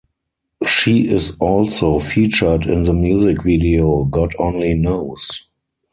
She is also featured in the music video "God Only Knows".